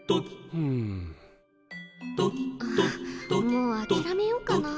もうあきらめようかな。